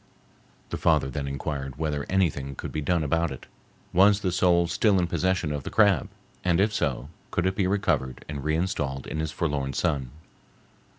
The father then inquired whether anything could be done about it; was the soul still in possession of the crab, and if so, could it be recovered and re installed in his forlorn son?